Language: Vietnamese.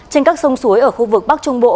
trên các sông suối ở khu vực bắc trung bộ